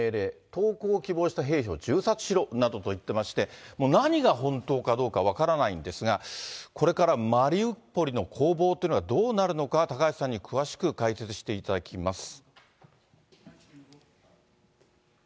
投降を希望した兵士を銃殺しろなどと言ってまして、何が本当かどうか分からないんですが、これからマリウポリの攻防っていうのがどうなるのか、高橋さんに詳しく解説していただきます。